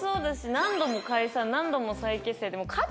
何度も解散何度も再結成って。